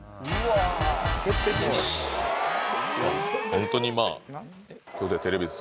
ホントにまあ。